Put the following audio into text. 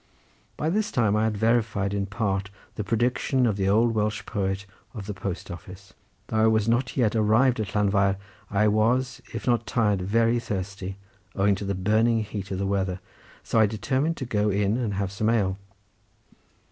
By this time I had verified in part the prediction of the old Welsh poet of the post office. Though I was not arrived at Llanfair I was, if not tired, very thirsty, owing to the burning heat of the weather, so I determined to go in and have some ale.